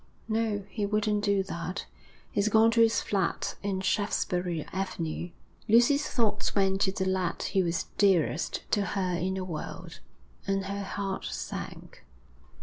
'No, he wouldn't do that. He's gone to his flat in Shaftesbury Avenue.' Lucy's thoughts went to the lad who was dearest to her in the world, and her heart sank.